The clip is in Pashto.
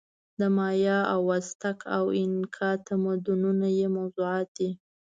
د مایا او ازتک او اینکا تمدنونه یې موضوعات دي.